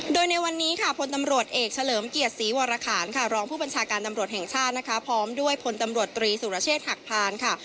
โดยในวันนี้ค่ะพลตำรวจเอกเฉลิมเกียรติศรีวรคารค่ะรองผู้บัญชาการตำรวจแห่งชาตินะคะพร้อมด้วยพลตำรวจตรีสุรเชษฐหักพานค่ะ